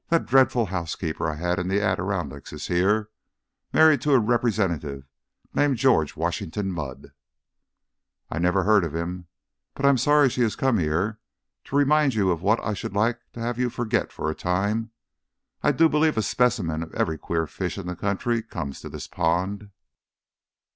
"That dreadful housekeeper I had in the Adirondacks is here, married to a Representative named George Washington Mudd." "I never heard of him, but I am sorry she has come here to remind you of what I should like to have you forget for a time. I do believe a specimen of every queer fish in the country comes to this pond."